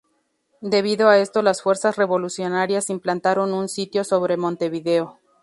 Debido a esto las fuerzas revolucionarias implantaron un sitio sobre Montevideo.